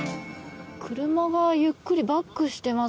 車がゆっくりバックしています。